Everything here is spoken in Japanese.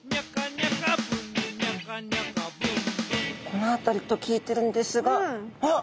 この辺りと聞いてるんですがあっ！